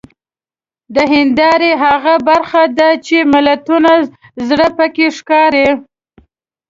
د هیندارې هغه برخه ده چې د ملتونو زړه پکې ښکاري.